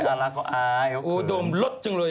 อารักขี้อายโอเคโอ้โฮโดมรสจังเลย